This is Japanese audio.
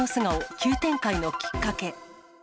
急展開のきっかけ。